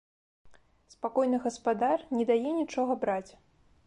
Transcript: Спакойны гаспадар не дае нічога браць.